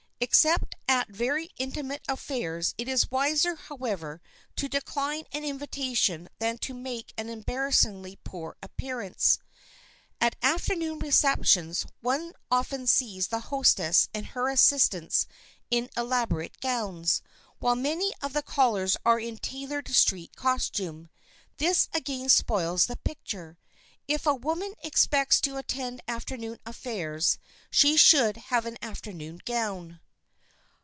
Except at very intimate affairs it is wiser, however, to decline an invitation than to make an embarrassingly poor appearance. At afternoon receptions one often sees the hostess and her assistants in elaborate gowns, while many of the callers are in tailored street costume. This again spoils the picture. If a woman expects to attend afternoon affairs she should have an afternoon gown.